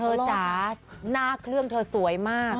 จ๋าหน้าเครื่องเธอสวยมาก